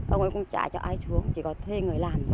ông ấy cũng chả cho ai xuống chỉ có thuê người làm